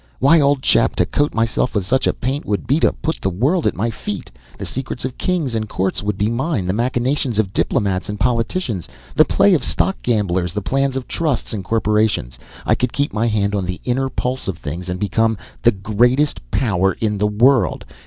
Why, old chap, to coat myself with such a paint would be to put the world at my feet. The secrets of kings and courts would be mine, the machinations of diplomats and politicians, the play of stock gamblers, the plans of trusts and corporations. I could keep my hand on the inner pulse of things and become the greatest power in the world.